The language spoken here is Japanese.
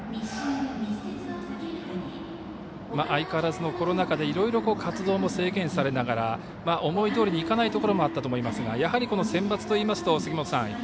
相変わらずのコロナ禍でいろいろ活動も制限されながら思いどおりにいかないところもあったと思いますがやはりセンバツといいますと杉本さん